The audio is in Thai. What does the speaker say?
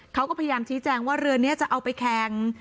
เขาก็พยายามชี้แจงว่าเรือนี้จะเอาไปแข่ง